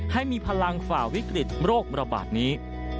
ให้มีพลังฝ่าวิกฤตโรคระบาดนี้